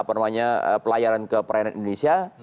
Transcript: apa namanya pelayaran ke perairan indonesia